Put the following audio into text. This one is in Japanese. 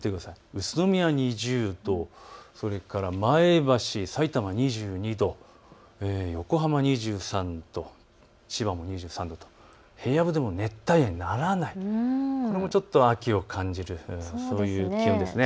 宇都宮２０度、それから前橋、さいたま２２度、横浜２３度、千葉も２３度、平野部でも熱帯夜にならない、これも秋を感じるそういう気温ですね。